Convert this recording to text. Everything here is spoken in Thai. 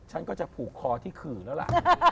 ฉันก็จะผูกคอที่ขื่อแล้วล่ะ